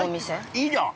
◆いいじゃん。